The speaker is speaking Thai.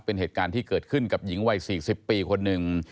เป็นเหตุการณ์ที่เกิดขึ้นกับหญิงวัย๔๐ปีคนหนึ่ง